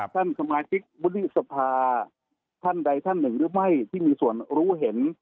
ท่านสมาชิกวุฒิสภาท่านใดท่านหนึ่งหรือไม่ที่มีส่วนรู้เห็น